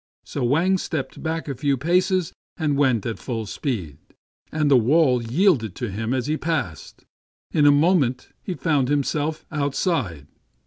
So Wang stepped back a few paces and went at it full speed; and the wall yielding to him as he passed, in a moment he found himself outside.